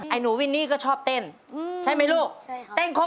หนูวินนี่ก็ชอบเต้นใช่ไหมลูกใช่เต้นครบ